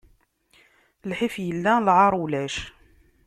Lḥif illa, lɛaṛ ulac.